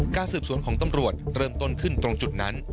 การสืบสวนของตำรวจเริ่มต้นขึ้นตรงจุดนั้น